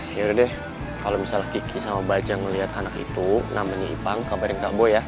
yaudah deh kalo misalnya kiki sama bajang ngeliat anak itu namanya ipang kabarin kak boy ya